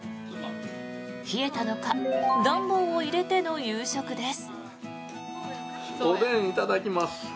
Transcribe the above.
冷えたのか暖房を入れての夕食です。